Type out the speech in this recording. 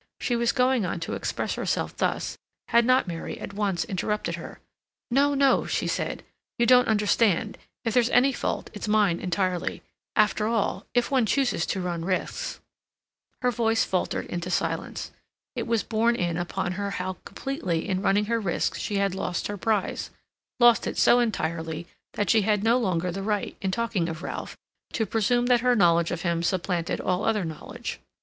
She was going on to express herself thus, had not Mary at once interrupted her. "No, no," she said; "you don't understand. If there's any fault it's mine entirely; after all, if one chooses to run risks—" Her voice faltered into silence. It was borne in upon her how completely in running her risk she had lost her prize, lost it so entirely that she had no longer the right, in talking of Ralph, to presume that her knowledge of him supplanted all other knowledge.